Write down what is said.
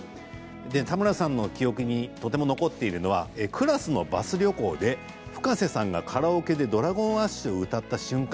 田村さんの記憶にとても残っているのがクラスのバス旅行でＦｕｋａｓｅさんがカラオケでＤｒａｇｏｎＡｓｈを歌った瞬間